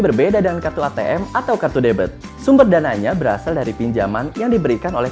berbeda dengan kartu atm atau kartu debit sumber dananya berasal dari pinjaman yang diberikan oleh